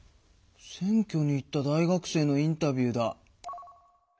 選挙に行った大学生のインタビューだ。